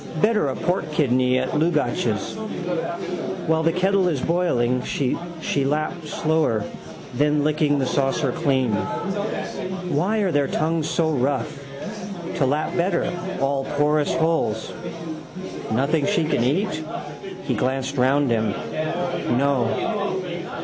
Better a pork kidney at Dlugacz's. While the kettle is boiling. She lapped slower, then licking the saucer clean. Why are their tongues so rough? To lap better, all porous holes. Nothing she can eat? He glanced round him. No.